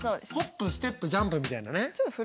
ホップステップジャンプみたいなね。